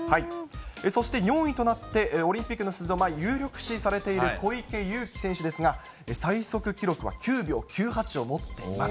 そして４位となって、オリンピック出場、有力視されている小池ゆうき選手ですが、最速記録は９秒９８を持っています。